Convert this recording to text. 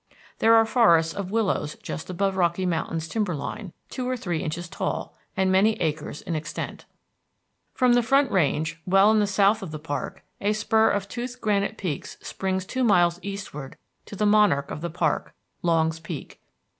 There are forests of willows just above Rocky Mountain's timber line, two or three inches tall, and many acres in extent. From the Front Range, well in the south of the park, a spur of toothed granite peaks springs two miles eastward to the monarch of the park, Longs Peak.